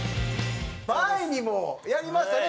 前にもやりましたね